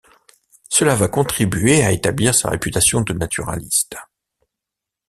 Cela va contribuer à établir sa réputation de naturaliste.